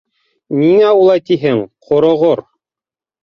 Нигә улай тиһең, ҡороғоро?!